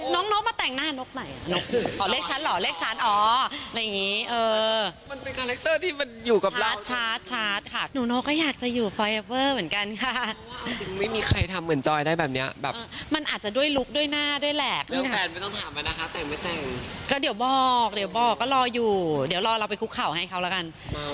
น้องนกมาแต่งหน้านกไหน